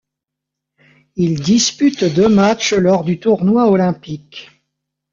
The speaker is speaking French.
Il dispute deux matchs lors du tournoi olympique.